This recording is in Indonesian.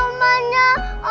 om cepat kesini om